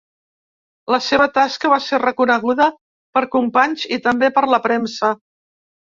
La seva tasca va ser reconeguda per companys i també per la premsa.